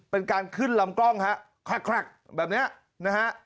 เป็นการขึ้นลำกล้องฮะคลักแบบนี้นะฮะ